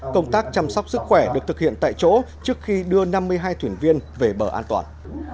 công tác chăm sóc sức khỏe được thực hiện tại chỗ trước khi đưa năm mươi hai thuyền viên về bờ an toàn